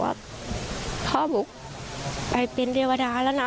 พ่อบุกไปเป็นเทวดาแล้วนะ